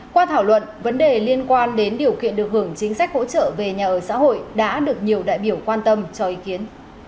qua thảo luận vấn đề liên quan đến điều kiện được hưởng chính sách hỗ trợ về nhà ở xã hội đã được nhiều đại biểu quan tâm cho ý kiến